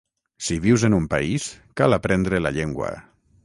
Si vius en un país, cal aprendre la llengua.